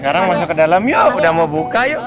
sekarang masuk ke dalam yuk udah mau buka yuk